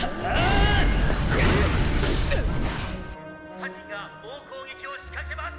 「犯人が猛攻撃を仕掛けます！」